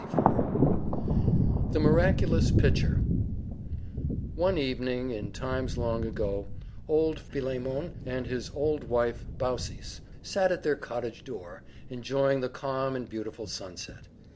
CHAPTER VII THE MIRACULOUS PITCHER One evening, in times long ago, old Philemon and his old wife Baucis sat at their cottage door, enjoying the calm and beautiful sunset.